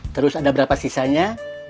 terus ada berapa sisanya